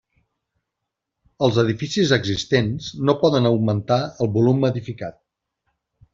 Els edificis existents no poden augmentar el volum edificat.